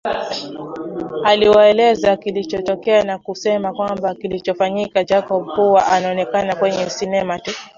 Aliwaeleza kilichotokea na kusema kwamba alichokifanya Jacob hua anakiona kwenye sinema tu